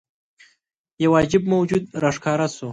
یوه عجيب موجود راښکاره شو.